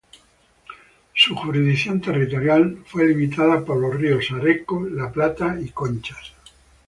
Su jurisdicción territorial fue limitada por los ríos Areco, la Plata y Conchas.